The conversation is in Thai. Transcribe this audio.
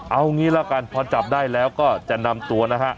เอางี้ละกันพอจับได้แล้วก็จะนำตัวนะฮะ